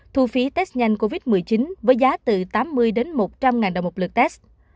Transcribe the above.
thu phí test nhanh covid một mươi chín với giá từ tám mươi đến một trăm linh ngàn đồng một lượt test